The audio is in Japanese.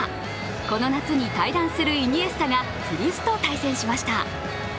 この夏に退団するイニエスタが古巣と対戦しました。